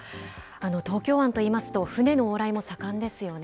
東京湾といいますと、船の往来も盛んですよね。